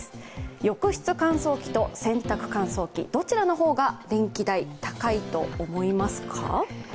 浴室乾燥機と洗濯乾燥機、どちらの方が電気代高いと思いますか？